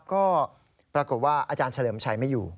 ก็ปรากฏว่าอเฉลิมชัยไม่อยู่